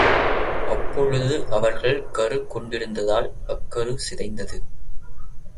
அப்பொழுது அவர்கள் கருக் கொண்டிருந்ததால், அக்கரு சிதைந்தது.